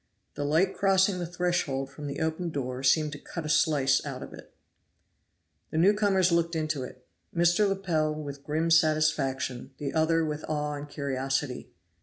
The light crossing the threshold from the open door seemed to cut a slice out of it. The newcomers looked into it. Mr. Lepel with grim satisfaction, the other with awe and curiosity.